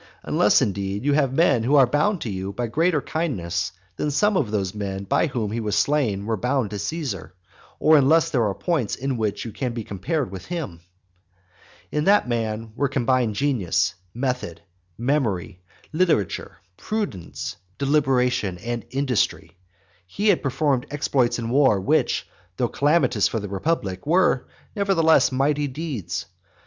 Unless, indeed, you have men who are bound to you by greater kindnesses than some of those men by whom he was slain were bound to Caesar, or unless there are points in which you can be compared with him. In that man were combined genius, method, memory, literature, prudence, deliberation, and industry. He had performed exploits in war which, though calamitous for the republic, were nevertheless mighty deeds.